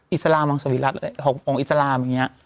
อิสระมองสวิรัติของอิสระมอย่างเงี้ย